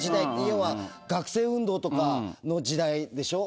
要は学生運動とかの時代でしょ。